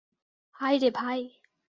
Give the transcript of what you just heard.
হায়রে, ভাই।